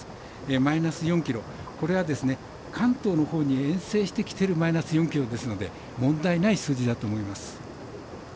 マイナス４ｋｇこれは関東のほうに遠征してきているマイナス４ｋｇですので問題ない数字だと思います。